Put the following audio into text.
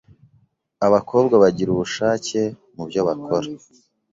Abakobwa bagira ubushake mu byo bakora